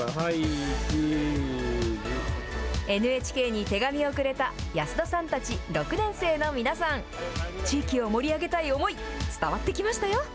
ＮＨＫに手紙をくれた安田さんたち６年生の皆さん、地域を盛り上げたい思い、伝わってきましたよ。